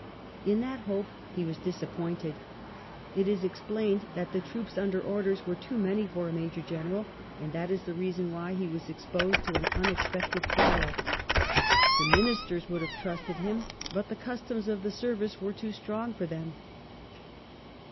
In that hope he was disappointed. It is explained that the troops under orders were too many for a Major General, and that is the reason why he was exposed to an unexpected trial. The Ministers would have trusted him, but the customs of the service were too strong for them.